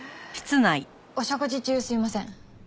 お食事中すいません。